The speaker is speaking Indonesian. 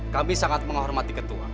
kami sangat menghormati ketua